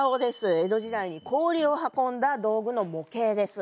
江戸時代に氷を運んだ道具の模型です。